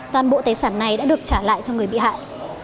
toàn bộ tài sản này đã được trả lại cho người bị hại